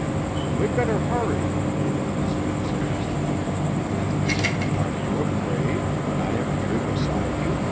"We'd better hurry," one of his men suggested. "Are you afraid, when I am here beside you?"